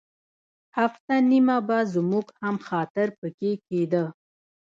هفته نیمه به زموږ هم خاطر په کې کېده.